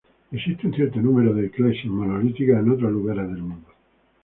Existe un cierto número de iglesias monolíticas en otros lugares del mundo.